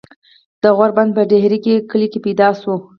د غوربند پۀ ډهيرۍ کلي کښې پيدا شو ۔